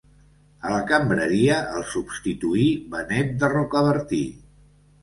A la cambreria el substituí Benet de Rocabertí.